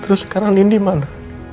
tidak ada apa apa